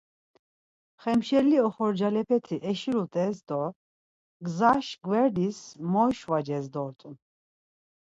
Xemşelle oxorcalepeti eşulut̆es do gzaş gver-dis moişvaces-dort̆un.